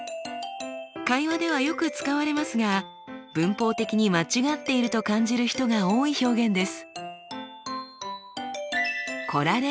会話ではよく使われますが文法的に間違っていると感じる人が多い表現です。